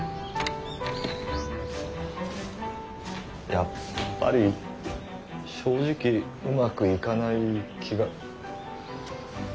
やっぱり正直うまくいかない気が。